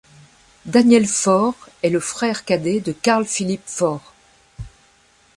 Daniel Fohr est le frère cadet de Carl Philipp Fohr.